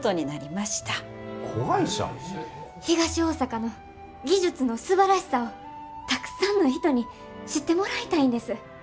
東大阪の技術のすばらしさをたくさんの人に知ってもらいたいんです。